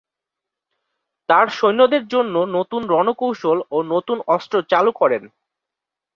তার সৈন্যদের জন্য নতুন রণকৌশল ও নতুন অস্ত্র চালু করেন।